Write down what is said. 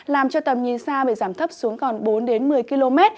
làm cho tầm nhìn xa bị giảm thấp xuống còn bốn đến một mươi km